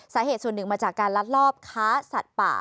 สาเหตุส่วนหนึ่งมาจากการลักลอบค้าสัตว์ป่า